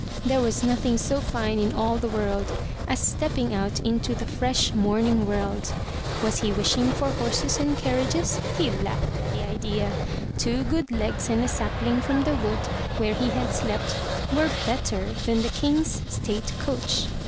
There was nothing so fine in all the world as stepping out into the fresh morning world. Was he wishing for horses and carriages? He laughed at the idea. Two good legs and a sap ling from the wood where he had slept, were better than the King's state coach.